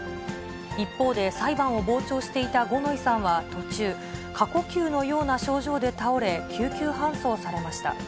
一方で、裁判を傍聴していた五ノ井さんは途中、過呼吸のような症状で倒れ、救急搬送されました。